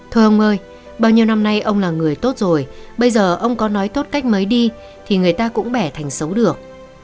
thưa ông ơi bao nhiêu năm nay ông là người tốt rồi bây giờ ông có nói tốt cách mới đi thì người ta cũng bẻ thành xấu được